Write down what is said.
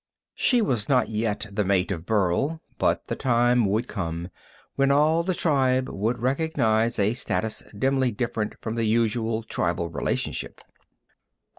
She was not yet the mate of Burl, but the time would come when all the tribe would recognize a status dimly different from the usual tribal relationship.